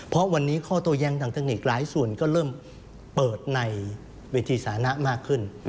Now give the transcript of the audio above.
เพราะวันนี้ข้อโตแย้งต่างเทคนิคหลายส่วนก็เริ่มเปิดในเวทีสานะมากขึ้น